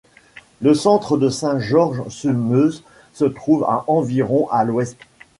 Le centre de Saint-Georges-sur-Meuse se trouve à environ à l'ouest.